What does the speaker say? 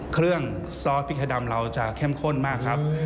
ซอสพริกไทยดำเราจะเข้มข้นมากครับ